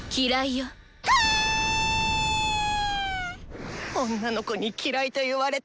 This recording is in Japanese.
心の声女の子に嫌いと言われて。